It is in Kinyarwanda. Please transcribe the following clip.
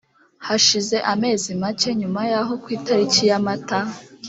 hashize amezi make nyuma yaho ku itariki ya mata